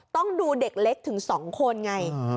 ต้องดูเด็กเล็กถึง๒คนไง